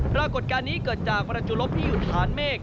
ปรากฏการณ์นี้เกิดจากประจุลบที่อยู่ฐานเมฆ